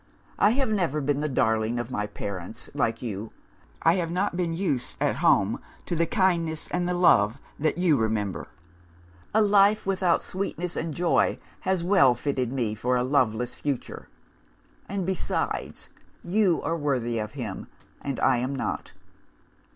I have never been the darling of my parents, like you; I have not been used at home to the kindness and the love that you remember. A life without sweetness and joy has well fitted me for a loveless future. And, besides, you are worthy of him, and I am not.